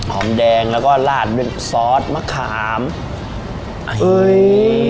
หอมแดงแล้วก็ลาดด้วยซอสมะขามเฮ้ย